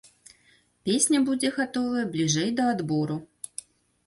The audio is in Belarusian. Песня будзе гатовая бліжэй да адбору.